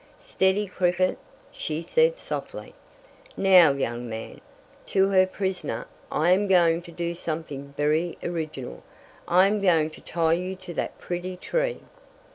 "Steady, Cricket!" she said softly. "Now young man," to her prisoner, "I am going to do something very original. I am going to tie you to that pretty tree."